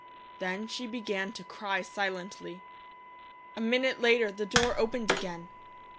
Then she began to cry silently. A minute later the door opened again.